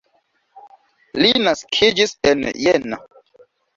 Li naskiĝis en Jena.